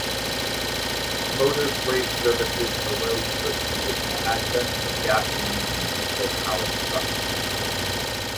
Motor freight services arose quickly with the advent of gasoline and diesel powered trucks.